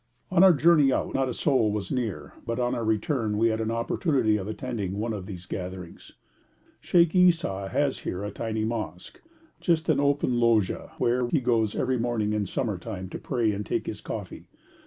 On our journey out not a soul was near, but on our return we had an opportunity of attending one of these gatherings. Sheikh Esau has here a tiny mosque, just an open loggia, where he goes every morning in summer time to pray and take his coffee.